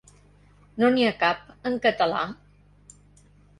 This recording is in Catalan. No n'hi ha cap en català?